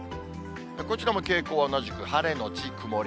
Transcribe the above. こちらも傾向同じく晴れ後曇り。